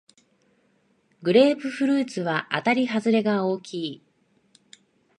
グレープフルーツはあたりはずれが大きい